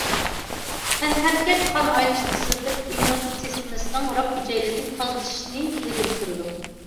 تەنھەرىكەت قان ئايلىنىشنى تېزلىتىپ، ئىممۇنىتېت سىستېمىسىنىڭ راك ھۈجەيرىلىرىنى تازىلىشىنى ئىلگىرى سۈرىدۇ.